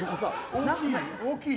大きい？